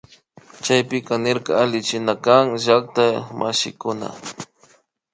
Chaypika nirka allichinakan llakta y mishukuna